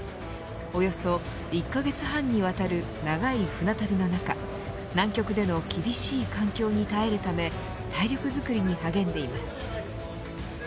およそ１カ月半にわたる長い船旅の中南極での厳しい環境に耐えるため体力づくりに励んでいます。